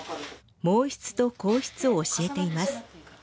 毛筆と硬筆を教えています。